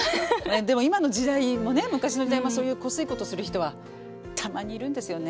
でも今の時代もね昔の時代もそういうこすいことする人はたまにいるんですよね。